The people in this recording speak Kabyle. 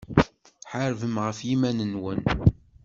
Ḥarbem ɣef yiman-nwen.